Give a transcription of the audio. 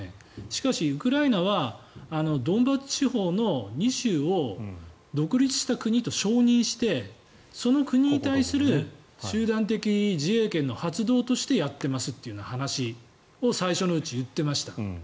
しかし、ウクライナはドンバス地方の２州を独立した国と承認してその国に対する集団的自衛権の発動としてやってますという話を最初のうち、言ってました。